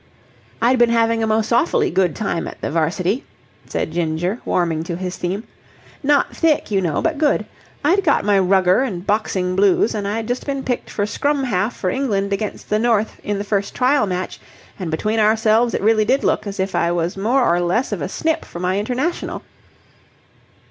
I'd been having a most awfully good time at the 'varsity,'" said Ginger, warming to his theme. "Not thick, you know, but good. I'd got my rugger and boxing blues and I'd just been picked for scrum half for England against the North in the first trial match, and between ourselves it really did look as if I was more or less of a snip for my international."